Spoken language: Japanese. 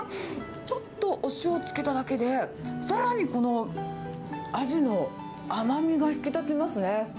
ちょっとお塩つけただけで、さらに、このアジの甘みが引き立ちますね。